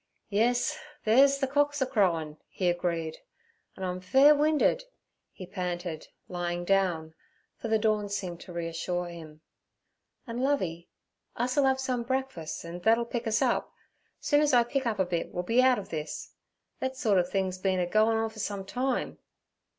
'Yes, theer's ther cocks a crowin" he agreed, 'an' I'm fair winded' he panted, lying down, for the dawn seemed to reassure him. 'An', Lovey, us'll 'ave some breakfuss, an' thet'll pick us up. Soon as I pick up a bit we'll be out ov this. Thet sort ov thing's been a goin' on fer some time.'